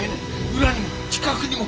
裏にも近くにも。